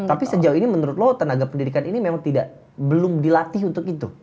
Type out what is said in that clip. tapi sejauh ini menurut lo tenaga pendidikan ini memang belum dilatih untuk itu